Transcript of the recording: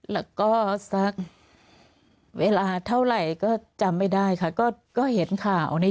แล้วก็สักเวลาเท่าไหร่ก็จำไม่ได้ค่ะก็ก็เห็นข่าวใน